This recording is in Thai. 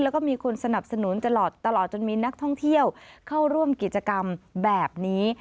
แล้วก็มีคนสนับสนุนตลอดจนมีนักท่องเที่ยวเข้าร่วมกิจกรรมแบบนี้